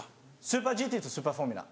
スーパーＧＴとスーパーフォーミュラ。